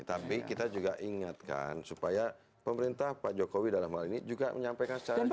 tapi kita juga ingatkan supaya pemerintah pak jokowi dalam hal ini juga menyampaikan secara detail